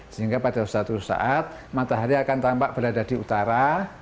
sehingga pada suatu saat matahari akan tampak berada di utara